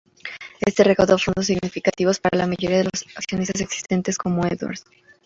Esto recaudó fondos significativos para la mayoría de accionistas existentes, como Edwards.